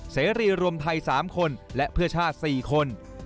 เสรีรวมไทย๓คนและเพื่อชาติ๔คน